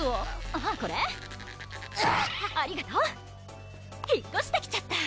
あぁこれ？ありがと引っこしてきちゃった